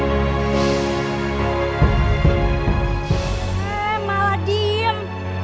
eh malah diam